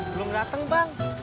belum datang bang